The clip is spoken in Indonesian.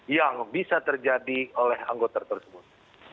yang bisa terjadi oleh anggota tersebut